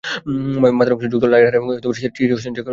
মাথার অংশে যুক্ত লাইডার এবং স্টিরিও সেন্সর কাজে লাগিয়ে চলাফেরা করে।